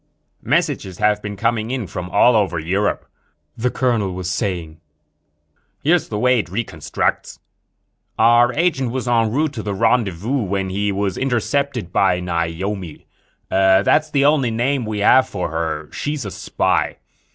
"Messages have been coming in from all over Europe," the colonel was saying. "Here's the way it reconstructs: "Our agent was en route to the rendezvous when he was intercepted by Naomi. That's the only name we have for her. She's a spy.